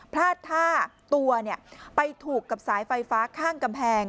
พลาดท่าตัวไปถูกกับสายไฟฟ้าข้างกำแพง